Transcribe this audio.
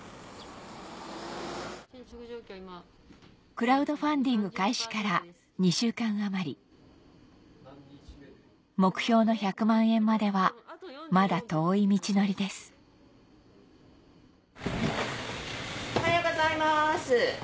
クラウドファンディング開始から２週間余り目標の１００万円まではまだ遠い道のりですおはようございます！